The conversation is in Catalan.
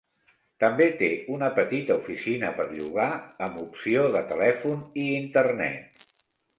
També té una petita oficina per llogar amb opció de telèfon i Internet.